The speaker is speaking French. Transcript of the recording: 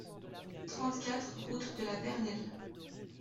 trente-quatre route de la Vernelle